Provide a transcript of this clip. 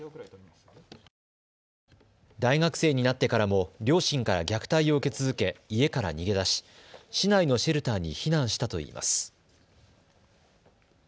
大学生になってからも両親から虐待を受け続け、家から逃げ出し市内のシェルターに避難したといいます。